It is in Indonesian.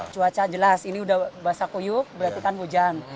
cuaca jelas ini udah basah kuyuk berarti kan hujan